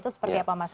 itu seperti apa mas